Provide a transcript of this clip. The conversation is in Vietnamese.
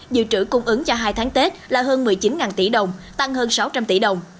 dự trữ cung ứng cho hai tháng tết là hơn một mươi chín tỷ đồng tăng hơn sáu trăm linh tỷ đồng